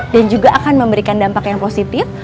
dan juga akan memberikan dampak yang positif